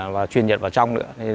và truyền nhiệt vào trong nữa